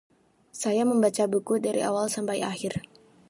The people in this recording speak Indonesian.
Saya membaca buku dari awal sampai akhir.